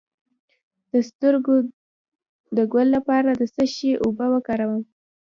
د سترګو د ګل لپاره د څه شي اوبه وکاروم؟